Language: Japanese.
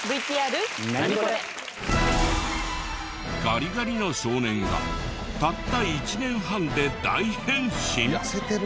ガリガリの少年がたった１年半で大変身！？